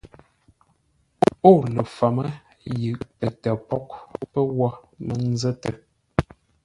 Ó ləfəmə́ yʉʼ pətə́ póghʼ pə́ wó mə nzə́tə́.